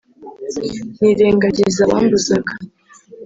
nirengagiza abambuzaga